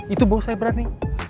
itu baru saya berani